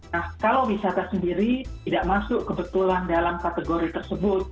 nah kalau wisata sendiri tidak masuk kebetulan dalam kategori tersebut